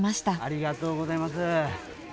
ありがとうございます。